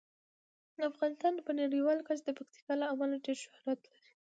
افغانستان په نړیواله کچه د پکتیکا له امله ډیر شهرت لري.